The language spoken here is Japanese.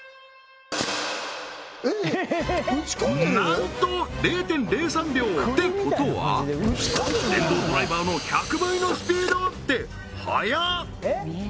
なんと０．０３秒ってことは電動ドライバーの１００倍のスピードって速っ！